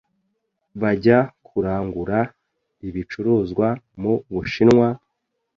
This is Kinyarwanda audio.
bajya kurangura ibicuruzwa mu Bushinwa,